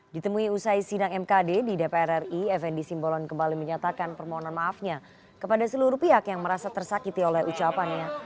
ditemui usai sidang mkd di dpr ri fnd simbolon kembali menyatakan permohonan maafnya kepada seluruh pihak yang merasa tersakiti oleh ucapannya